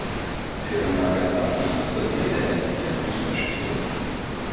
Für Nagasaki absolvierte er vier Ligaspiele.